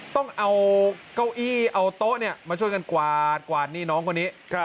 ต้องเอาเก้าอี้เอาโต๊ะมาช่วยกันกวาดนี่น้องคนนี้